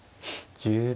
１０秒。